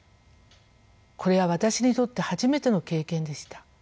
これは私にとって初めての経験でした。